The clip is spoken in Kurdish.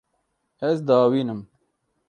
Ez diavînim.